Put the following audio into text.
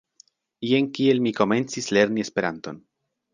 Jen kiel mi komencis lerni Esperanton.